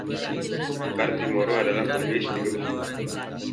Bartimoro adalah penulis tiga buku.